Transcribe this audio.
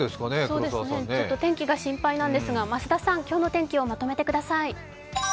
黒澤さん天気が心配なんですが、増田さん、今日の天気をまとめてください。